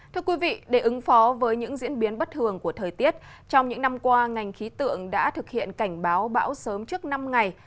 thưa quý vị để ứng phó với những diễn biến bất thường của thời tiết trong những năm qua ngành khí tượng đã thực hiện cảnh báo bão sớm trước năm ngày